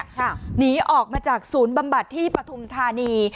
หนีออกมาจากศูนย์บำบัดที่ปฐุมธานี